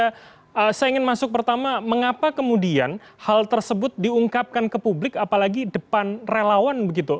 saya ingin masuk pertama mengapa kemudian hal tersebut diungkapkan ke publik apalagi depan relawan begitu